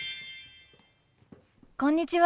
こんにちは。